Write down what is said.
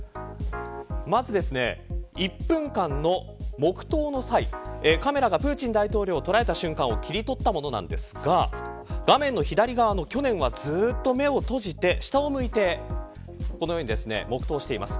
まず１分間の黙とうの際カメラがプーチン大統領を捉えた瞬間を切り取ったものなんですが画面の左側の去年はずっと目を閉じて下を向いてこのように黙とうしています。